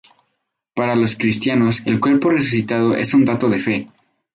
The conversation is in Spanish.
Para los cristianos, el cuerpo resucitado es un dato de fe.